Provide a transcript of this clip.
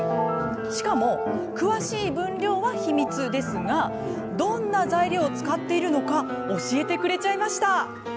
しかも、詳しい分量は秘密ですがどんな材料を使っているのか教えてくれちゃいました。